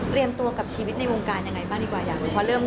เตรียมตัวกับชีวิตในวงการอย่างไรบ้างดีกว่าอย่างหนึ่ง